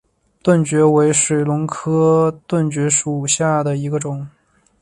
盾蕨为水龙骨科盾蕨属下的一个种。